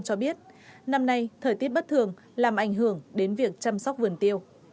cho biết năm nay thời tiết bất thường làm ảnh hưởng đến việc chăm sóc vườn tiêu